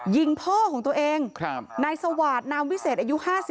ยิงพ่อของตัวเองนายสวาสนามวิเศษอายุ๕๓